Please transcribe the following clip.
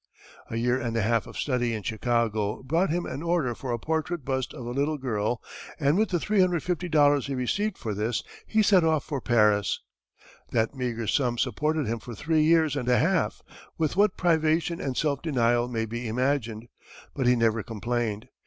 A year and a half of study in Chicago brought him an order for a portrait bust of a little girl, and with the $350 he received for this, he set off for Paris. That meagre sum supported him for three years and a half with what privation and self denial may be imagined; but he never complained.